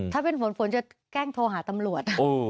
ถ้าเป็นฝนฝนจะแกล้งโทรหาตำรวจ